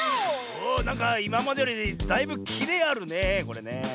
おなんかいままでよりだいぶキレあるねこれねえ。